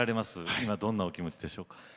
今どんなお気持ちでしょう。